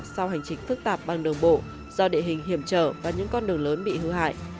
sau hành trình phức tạp bằng đường bộ do địa hình hiểm trở và những con đường lớn bị hư hại